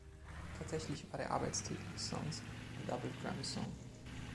Tatsächlich war der Arbeitstitel des Songs „The Double Drum Song“.